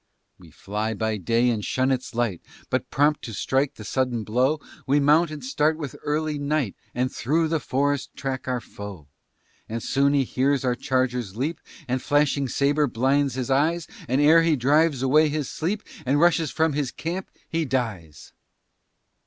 We fly by day and shun its light, But, prompt to strike the sudden blow, We mount and start with early night, And through the forest track our foe. And soon he hears our chargers leap, The flashing sabre blinds his eyes, And ere he drives away his sleep, And rushes from his camp, he dies.